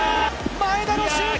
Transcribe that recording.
前田のシュート！